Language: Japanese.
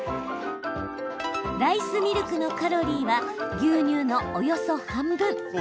ライスミルクのカロリーは牛乳のおよそ半分。